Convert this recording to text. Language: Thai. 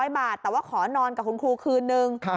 ๐บาทแต่ว่าขอนอนกับคุณครูคืนนึง